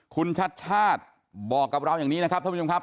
คุณชัดชาติบอกกับเราอย่างนี้นะครับท่านผู้ชมครับ